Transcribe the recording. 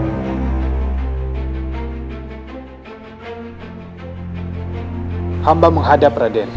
adanya orang orang gini mungkin bisa endorser nude moral docul